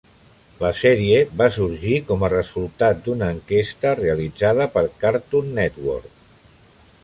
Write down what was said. La sèrie va sorgir com a resultat d'una enquesta realitzada per Cartoon Network.